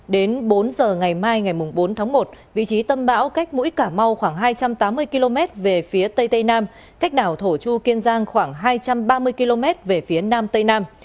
đến bốn giờ ngày mai ngày bốn tháng một vị trí tâm bão cách mũi cà mau khoảng hai trăm tám mươi km về phía tây tây nam cách đảo thổ chu kiên giang khoảng hai trăm ba mươi km về phía nam tây nam